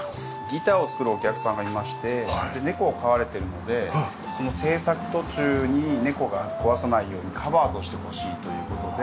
ギターを作るお客さんがいましてで猫を飼われているのでその制作途中に猫が壊さないようにカバーとして欲しいという事で。